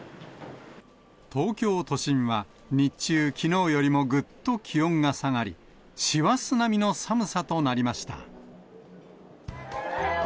東京都心は日中、きのうよりもぐっと気温が下がり、師走並みの寒さとなりました。